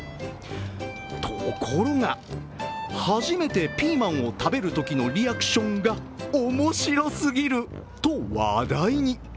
ところが、初めてピーマンを食べるときのリアクションが面白すぎると話題に。